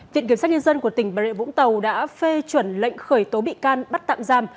viện kiểm sát nhân dân của tỉnh bà rịa vũng tàu đã phê chuẩn lệnh khởi tố bị can bắt tạm giam